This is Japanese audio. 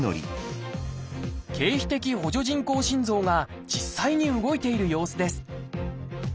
経皮的補助人工心臓が実際に動いている様子です。